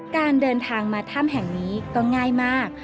การเดินทางมาถ้ำแห่งนี้ก็ง่ายมาก